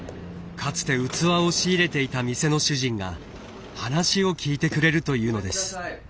かつて器を仕入れていた店の主人が話を聞いてくれるというのです。